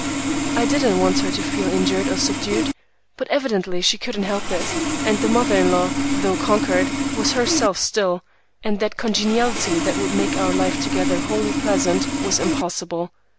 I didn't want her to feel injured or subdued, but evidently she couldn't help it, and the mother in law, though conquered, was herself still, and that congeniality that would make our life together wholly pleasant was impossible.